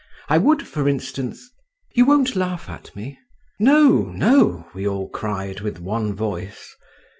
I would, for instance … You won't laugh at me?" "No, no!" we all cried, with one voice.